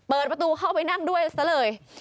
เปิดประตูเข้าไปนั่งด้วยซะเลย